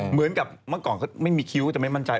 เหมือนกับเมื่อก่อนเขาไม่มีคิ้วจะไม่มั่นใจ